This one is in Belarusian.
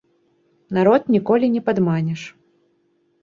Народ ніколі не падманеш.